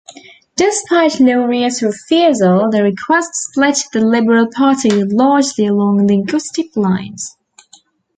Despite Laurier's refusal, the request split the Liberal Party largely along linguistic lines.